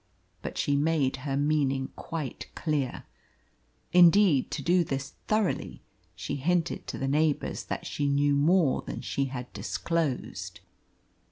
But she made her meaning quite clear. Indeed to do this thoroughly, she hinted to the neighbours that she knew more than she had disclosed.